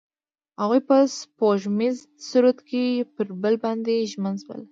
هغوی په سپوږمیز سرود کې پر بل باندې ژمن شول.